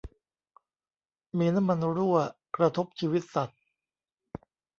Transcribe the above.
มีน้ำมันรั่ว กระทบชีวิตสัตว์